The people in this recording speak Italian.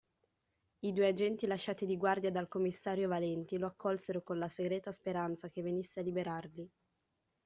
I due agenti lasciati di guardia dal commissario Valenti lo accolsero con la segreta speranza che venisse a liberarli.